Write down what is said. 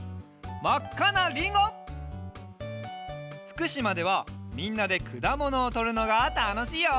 ふくしまではみんなでくだものをとるのがたのしいよ！